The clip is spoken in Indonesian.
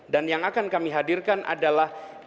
dan yang akan kami hadirkan adalah